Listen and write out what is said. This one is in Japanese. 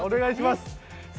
お願いします。